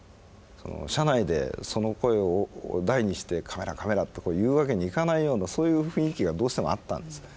社内で声を大にして「カメラカメラ」と言うわけにいかないようなそういう雰囲気がどうしてもあったんです。